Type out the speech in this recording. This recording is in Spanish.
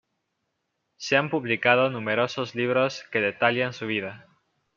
Se han publicado numerosos libros que detallan su vida.